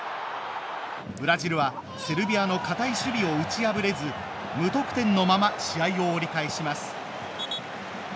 ブラジルはセルビアの堅い守備を打ち破れず無得点のまま試合を折り返します。